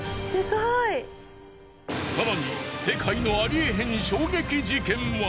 更に世界のありえへん衝撃事件は。